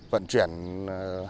vận chuyển hàng